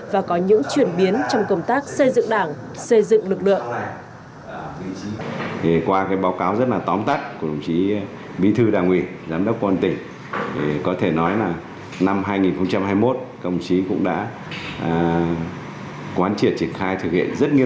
và có những chuyển biến trong công tác xây dựng đảng xây dựng lực lượng